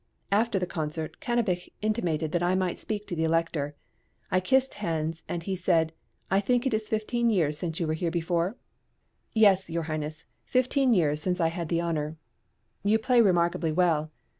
After the concert, Cannabich intimated that I might speak to the Elector. I kissed hands, and he said, "I think it is fifteen years {MANNHEIM.} (392) since you were here before?" "Yes, your highness; fifteen years since I had the honour" "You play remarkably well."